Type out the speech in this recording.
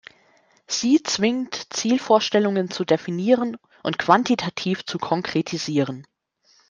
Sie zwingt, Zielvorstellungen zu definieren und quantitativ zu konkretisieren.